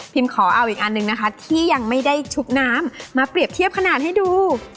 ขอเอาอีกอันหนึ่งนะคะที่ยังไม่ได้ชุบน้ำมาเปรียบเทียบขนาดให้ดู